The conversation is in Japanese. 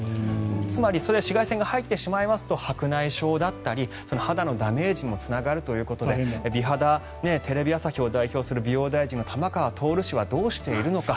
つまり、紫外線が入ってしまいますと白内障だったり肌のダメージにもつながるということで美肌、テレビ朝日を代表する美容大臣の玉川徹氏はどうしているのか。